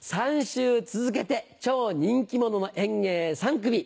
３週続けて超人気者の演芸３組。